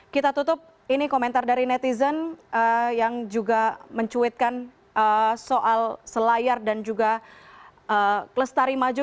kita tutup ini komentar dari netizen yang juga mencuitkan soal selayar dan juga kelestari maju